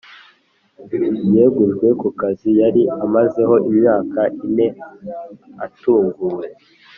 Yegujwe kukazi yari amazeho imyaka ine atunguwe